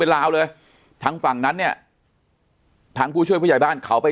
ลาวเลยทางฝั่งนั้นเนี่ยทางผู้ช่วยผู้ใหญ่บ้านเขาไป